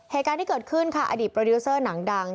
เหตุการณ์ที่เกิดขึ้นค่ะอดีตโปรดิวเซอร์หนังดัง